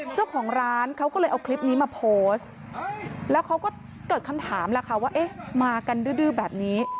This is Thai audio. เจ้าของร้านเขาก็เลยเอาคลิปนี้มาโพสต์แล้วเขาก็เกิดคำถามแล้วค่ะว่าเอ๊ะมากันดื้อแบบนี้